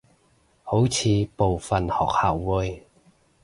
好似部份學校會